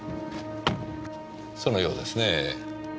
そのようですね。